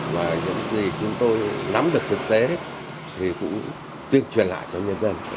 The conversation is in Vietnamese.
và những gì chúng tôi nắm được thực tế thì cũng tuyên truyền lại cho nhân dân